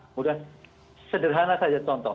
sudah sederhana saja contoh